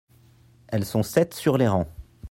elles sont sept sur les rangs.